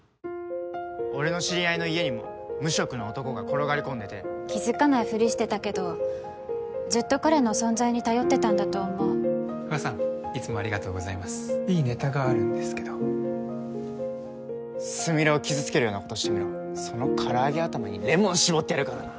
俺の知り合いの家にも無職の男が転がり込んでて気づかないフリしてたけどずっと彼の存在に頼ってたんだと思う不破さんいつもありがとうございますいいネタがあるんですけどスミレを傷つけるようなことしてみろその唐揚げ頭にレモン搾ってやるからな